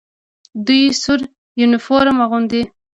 دوی سور یونیفورم اغوندي.